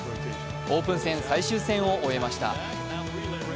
オープン戦最終戦を終えました。